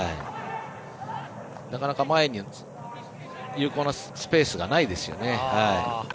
なかなか前に有効なスペースがないですよね。